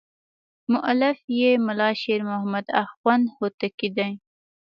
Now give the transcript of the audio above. مؤلف یې ملا شیر محمد اخوند هوتکی دی.